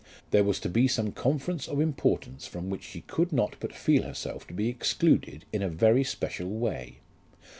There was to be some conference of importance from which she could not but feel herself to be excluded in a very special way.